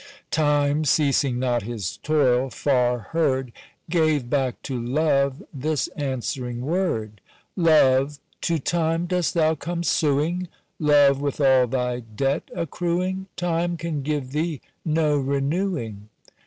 Time, ceasing not his toil, far heard, Gave back to Love this answering word:— "Love, to Time dost thou come sueing? Love, with all thy debt accrueing? Time can give thee no renewing.